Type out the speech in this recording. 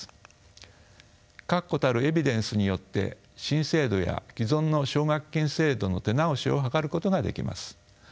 確固たるエビデンスによって新制度や既存の奨学金制度の手直しを計ることができます。